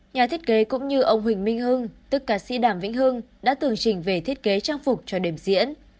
nhà thiết kế cũng như ông huỳnh minh hưng tức ca sĩ đàm vĩnh hưng đã tưởng trình về thiết kế trang phục cho đềm diễn